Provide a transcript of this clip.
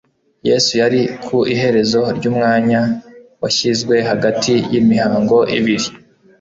Yesu yari ku iherezo ry'umwanya washyizwe hagati y'imihango ibiri